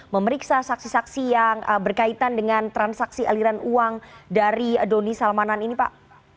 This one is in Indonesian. memeriksa saksi saksi yang berkaitan dengan transaksi aliran uang dari doni salmanan ini pak